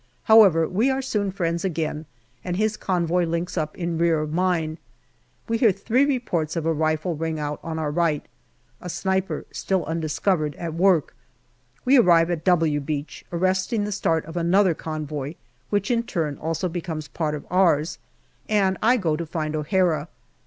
However, we are soon friends again, and his convoy links up in rear of mine. We hear three reports of a rifle ring out on our right. A sniper, still undiscovered, at work. We arrive APRIL 57 at " W" Beach, arresting the start of another convoy, which in turn also becomes part of ours, and I go to find O'Hara.